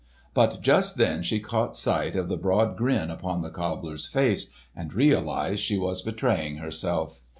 But just then she caught sight of the broad grin upon the cobbler's face and realised she was betraying herself.